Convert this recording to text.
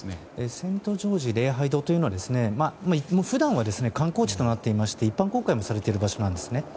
セント・ジョージ礼拝堂というのは普段は観光地となっていまして一般公開もされている場所なんですね。